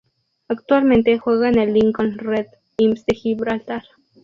Actualmente juega en el Lincoln Red Imps de Gibraltar.